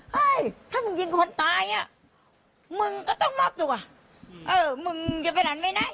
เฮ้ยถ้ามึงยิงคนตายอ่ะมึงก็ต้องมอบตัวเออมึงจะไปไหนไม่ได้